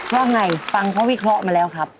ว่าไงฟังเขาวิเคราะห์มาแล้วครับ